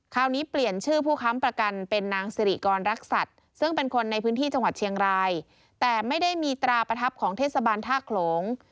เปลี่ยนชื่อผู้ค้ำประกันเป็นนางสิริกรรักษัตริย์ซึ่งเป็นคนในพื้นที่จังหวัดเชียงรายแต่ไม่ได้มีตราประทับของเทศบาลท่าโขลง